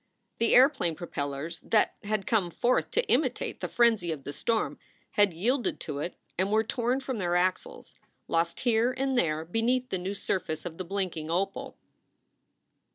The airplane propellers that haa come forth to imitate the frenzy of the storm had yielded to it and were torn from their axles, lost here and there beneath the new surface of the blinking opal.